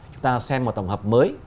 chúng ta xem một tổng hợp mới